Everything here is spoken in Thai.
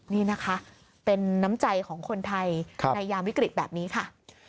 นี่นะคะเป็นน้ำใจของคนไทยในยามวิกฤตแบบนี้ค่ะ